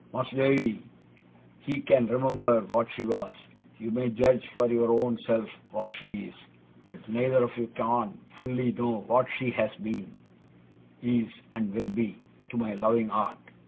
Mas'r Davy, he can remember what she was; you may judge for your own self what she is; but neither of you can't fully know what she has been, is, and will be, to my loving art.